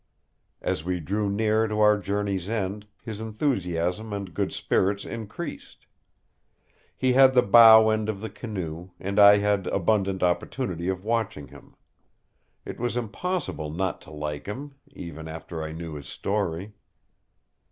As we drew near to our journey's end, his enthusiasm and good spirits increased. He had the bow end of the canoe, and I had abundant opportunity of watching him. It was impossible not to like him, even after I knew his story.